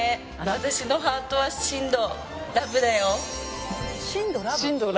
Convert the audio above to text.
私のハートは震度？